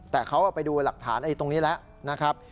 แต่เขาไปดูหลักฐานตรงนี้แล้วนะครับ